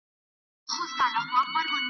وایي تربور چي ښه وي نو ښه دی .